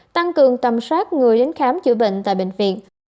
tăng cường tầm soát người đến khám chữa bệnh tại bệnh viện